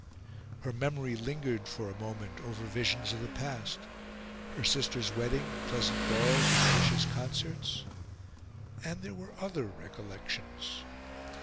Her memory lingered for a moment over visions of the past: her sister's wedding, pleasant balls and delicious concerts and there were other recollections.